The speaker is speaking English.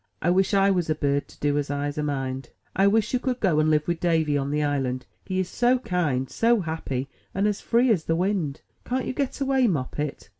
I wish I was a bird to do as I's amind." '*I wish you could go and live with Davy on the island; he is so kind, so happy, and as free as the wind. Can't you get away. Moppet?"